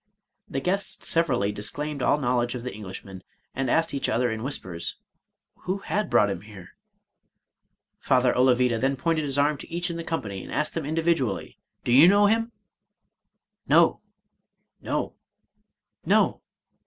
The guests severally disclaimed all knowledge of the Eng lishman, and each asked the other in whispers, " who had brought him there? " Father Olavida then pointed his arm to each of the company, and asked each individually, " Do you know him ?" No ! no 1 no